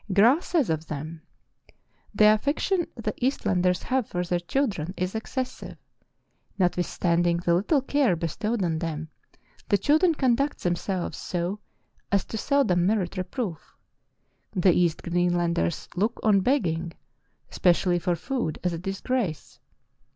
Graah says of them: "The affection the Eastlanders have for their children is excessive. ... Notwithstand ing the little care bestowed on them, the children con duct themselves so as to seldom merit reproof. ... The East Greenlanders look on begging, especially for food, as a disgrace.